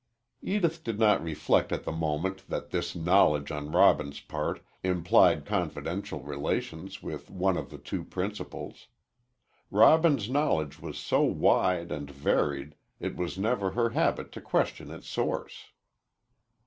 Edith did not reflect at the moment that this knowledge on Robin's part implied confidential relations with one of the two principals. Robin's knowledge was so wide and varied it was never her habit to question its source.